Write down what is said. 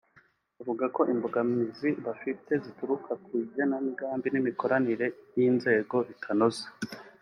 avuga ko imbogamizi bafite zituruka ku igenamigambi n’imikoranire y’inzego bitanoze